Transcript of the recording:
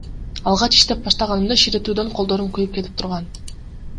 Алгач иштеп баштаганымда ширетүүдөн колдорум күйүп кетип турган.